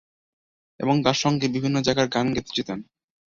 এবং তার সঙ্গেই বিভিন্ন জায়গায় গান গাইতে যেতেন।